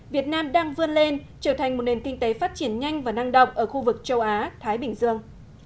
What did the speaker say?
việt nam đang vươn lên trở thành một nền kinh tế phát triển nhanh và năng động ở khu vực châu á thái bình dương